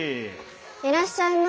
いらっしゃいま。